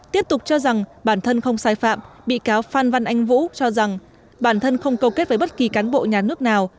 tiếp tục cho rằng bản thân không sai phạm bị cáo phan văn anh vũ cho rằng bản thân không câu kết với bất kỳ cán bộ nhà nước nào